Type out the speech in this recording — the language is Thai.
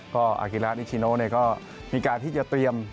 ก็อากิระนิชิโนก็มีการที่จะเตรียม